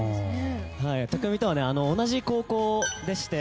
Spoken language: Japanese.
匠海とは同じ高校でして。